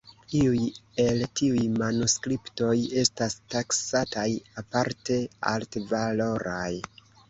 Iuj el tiuj manuskriptoj estas taksataj aparte altvaloraj.